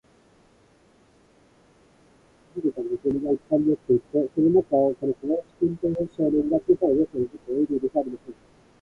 地下室はまるでタンクみたいに水がいっぱいになっていて、その中を、この小林君という少年が、小さいお嬢さんをおぶって泳いでいるじゃありませんか。